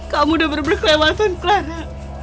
kamu udah bener bener kelewasan clara